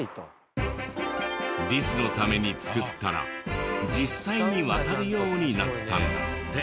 リスのために造ったら実際に渡るようになったんだって。